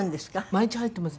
毎日入ってます。